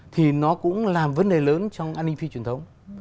thì nó cũng làm vấn đề lớn trong an ninh phi truyền thống